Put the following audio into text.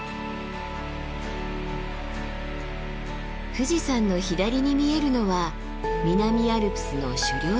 富士山の左に見えるのは南アルプスの主稜線。